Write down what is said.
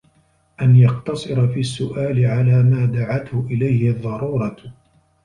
أَنْ يَقْتَصِرَ فِي السُّؤَالِ عَلَى مَا دَعَتْهُ إلَيْهِ الضَّرُورَةُ